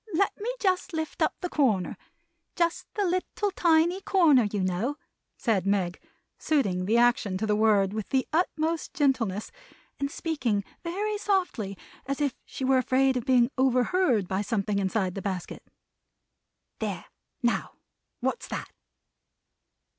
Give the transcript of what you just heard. Let me just lift up the corner; just the lit tle ti ny cor ner, you know," said Meg, suiting the action to the word with the utmost gentleness, and speaking very softly, as if she were afraid of being overheard by something inside the basket; "there. Now. What's that!"